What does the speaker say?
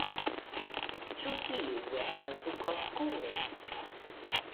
Ĉu tiu estas duko Skule?